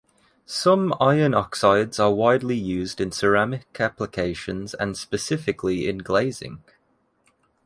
Some iron oxides are widely used in ceramic applications and specifically in glazing.